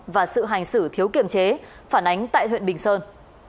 và sự hành xử thiếu kiểm chế phản ánh tại huyện bình sơn